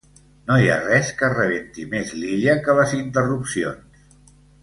No hi ha res que rebenti més l'Illa que les interrupcions.